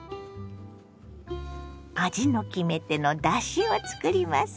味の決め手のだしを作ります。